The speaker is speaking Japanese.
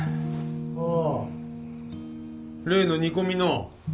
ああ例の煮込みの？